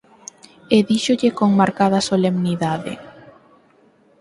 E díxolle, con marcada solemnidade: